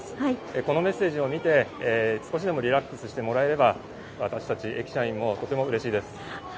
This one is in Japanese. このメッセージを見て少しでもリラックスしていただければ私たち駅社員も心強いです。